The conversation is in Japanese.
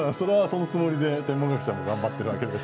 そのつもりで天文学者も頑張ってるわけで。